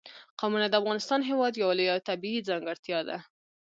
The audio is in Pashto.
قومونه د افغانستان هېواد یوه لویه او طبیعي ځانګړتیا ده.